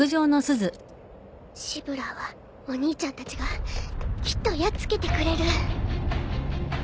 シブラーはお兄ちゃんたちがきっとやっつけてくれる。